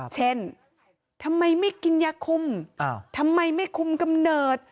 เช่นทำไมไม่กินยาคุมทำไมไม่คุมกำเนิด